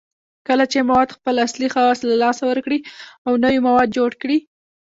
کله چې مواد خپل اصلي خواص له لاسه ورکړي او نوي مواد جوړ کړي